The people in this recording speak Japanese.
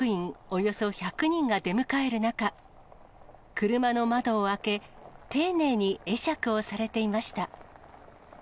およそ１００人が出迎える中、車の窓を開け、丁寧に会釈をされていました。